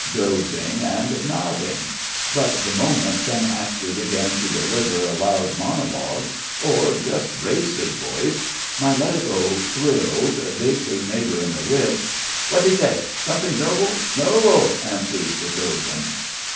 Dozing and nodding. But the moment some actor began to deliver a loud monologue, or just raised his voice, my medico thrills, digs his neighbour in the ribs. 'What's he say? Something noble?' 'Noble,' answers 'the chosen.'